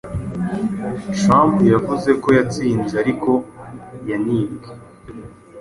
Trump yavuze ko yatsinze, ariko ko yanibwe